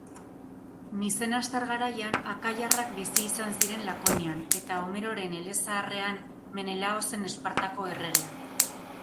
Mizenastar garaian, akaiarrak bizi izan ziren Lakonian, eta Homeroren elezaharrean Menelao zen Espartako erregea